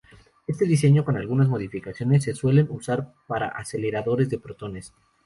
Este diseño, con algunas modificaciones, se suele usar para aceleradores de protones.